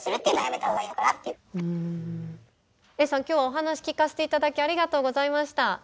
今日はお話聞かせていただきありがとうございました。